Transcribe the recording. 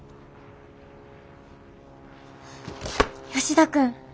吉田君。